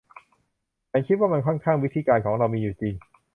ฉันคิดว่ามันค่อนข้างวิธีการของเรามีอยู่จริง